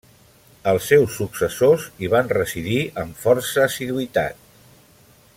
Els seus successors hi van residir amb força assiduïtat.